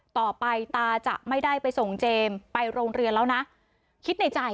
ต่อไปตาจะไม่ได้ไปส่งเจมส์ไปโรงเรียนแล้วนะคิดในใจ